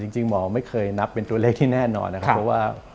จริงหมอไม่เคยนับเป็นตัวเลขที่แน่นอนนะครับเพราะว่า